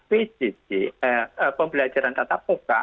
pembelajaran tata muka